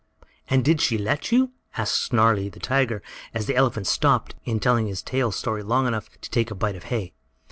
"And did she let you?" asked Snarlie, the tiger, as the elephant stopped in the telling his story long enough to take a bite of hay.